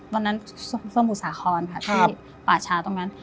วันนั้นสมุสาครที่ป่าชาตรงนั้น